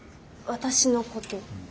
私のこと？